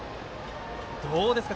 どうですか？